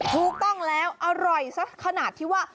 ถูกต้องแล้วอร่อยสักขนาดที่ว่า